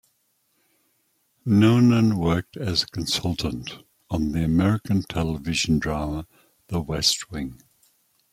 Noonan worked as a consultant on the American television drama "The West Wing".